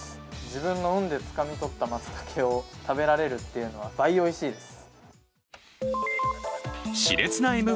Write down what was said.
自分の運でつかみ取ったまつたけを食べられるというのはうれしいです。